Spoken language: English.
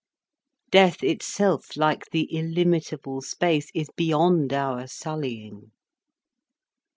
Death itself, like the illimitable space, is beyond our sullying.